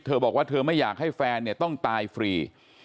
บอกว่าเธอไม่อยากให้แฟนเนี่ยต้องตายฟรี